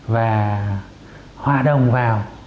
và hòa đồng vào